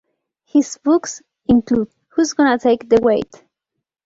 His books include Who's Gonna Take the Weight?